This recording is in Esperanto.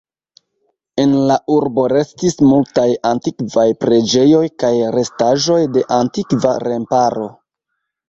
En la urbo restis multaj antikvaj preĝejoj kaj restaĵoj de antikva remparo.